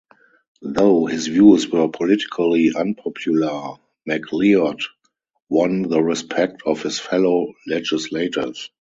Though his views were politically unpopular, MacLeod won the respect of his fellow legislators.